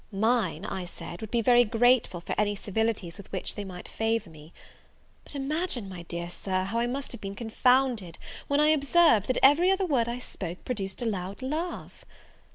Mine, I said, would be very grateful for any civilities with which they might favour me. But imagine, my dear Sir, how I must have been confounded, when I observed, that every other word I spoke produced a loud laugh!